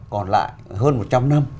còn lại hơn một trăm linh năm